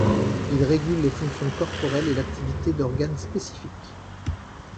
Il régule les fonctions corporelles et l'activité d'organes spécifiques.